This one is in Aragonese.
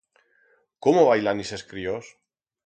Cómo bailan ixes críos?